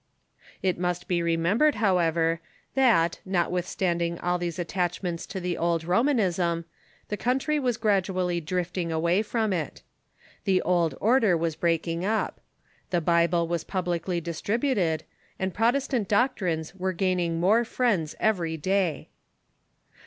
It must be remembered, however, that, notwithstanding all these attachments to the old Romanism, the country wms grad ually drifting away from it. The old order was breaking up. The Bible was publicly distributed, and Protestant doctrines were gaining more friends every day.